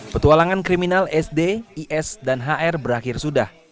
petualangan kriminal sd is dan hr berakhir sudah